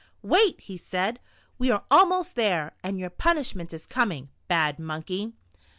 "Wait," he said, "we are almost there, and your punishment is coming, bad Monkey."